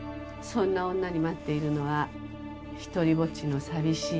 そんな女に待っているのは独りぼっちの寂しい老後。